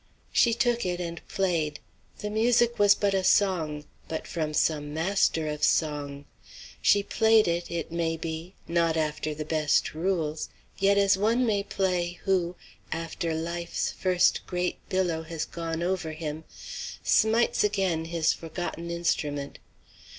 She took it and played. The music was but a song, but from some master of song. She played it, it may be, not after the best rules, yet as one may play who, after life's first great billow has gone over him, smites again his forgotten instrument.